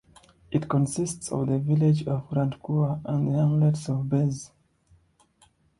It consists of the village of Grandcour and the hamlets of Bez.